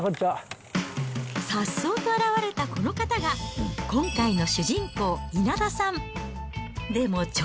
さっそうと現れたこの方が、今回の主人公、稲田さん。